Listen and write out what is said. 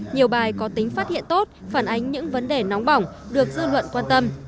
nhiều bài có tính phát hiện tốt phản ánh những vấn đề nóng bỏng được dư luận quan tâm